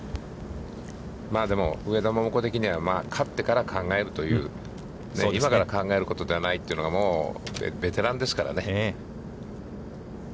でも、上田桃子的には、勝ってから考えるという、今から考えることではないというのが、もうベテランですからね。